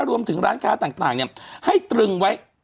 รวมถึงร้านค้าต่าง